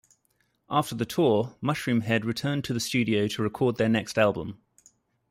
After the tour, Mushroomhead returned to the studio to record their next album.